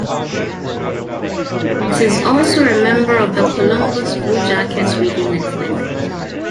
It is also a member of the Columbus Blue Jackets Radio Network.